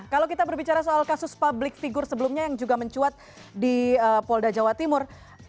kalau kita berbicara soal kasus public figure sebelumnya yang juga mencuat di polda jawa timur